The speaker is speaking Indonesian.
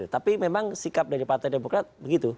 tapi memang sikap dari partai demokrat begitu